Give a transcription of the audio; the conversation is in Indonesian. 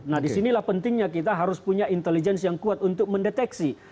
nah disinilah pentingnya kita harus punya intelligence yang kuat untuk mendeteksi